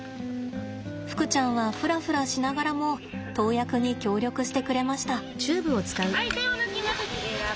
ふくちゃんはふらふらしながらも投薬に協力してくれました。